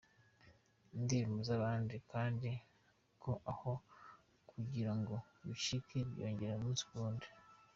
indirimbo z’abandi, kandi ko aho kugira ngo bicike byiyongera umunsi kuwundi.